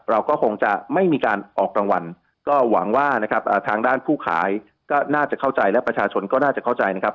เราก็คงจะไม่มีการออกรางวัลก็หวังว่านะครับทางด้านผู้ขายก็น่าจะเข้าใจและประชาชนก็น่าจะเข้าใจนะครับ